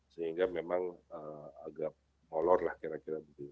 sehingga memang agak molor lah kira kira begitu